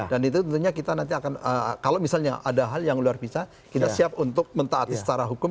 dan itu tentunya kita nanti akan kalau misalnya ada hal yang luar bica kita siap untuk mentaati secara hukum